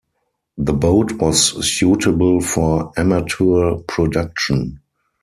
The boat was suitable for amateur production.